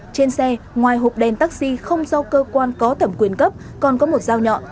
trên xe ngoài hộp đen taxi không do cơ quan có thẩm quyền cấp còn có một dao nhọn